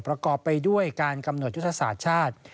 ประกอบไปด้วยการกำหนดยุทธศาสตร์ชาติ